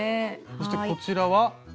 そしてこちらは？